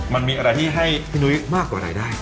มันมีอะไรที่ให้พี่นุ้ยมากกว่ารายได้